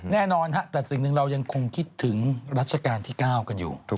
แน่นอนฮะแต่สิ่งหนึ่งเรายังคงคิดถึงรัชกาลที่๙กันอยู่